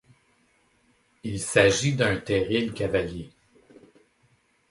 Il s'agit d'un terril cavalier.